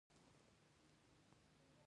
که پنځه سوه دیناره را ونه لېږې